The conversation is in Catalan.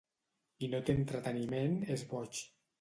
Qui no té enteniment és boig.